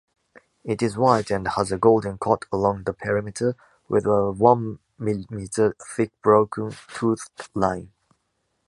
It is white and has a golden cut along the perimeter, with a one millimeter thick broken, toothed line.